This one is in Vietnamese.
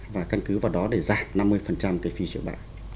và căn cứ vào đó để giảm năm mươi cái phí trước bạn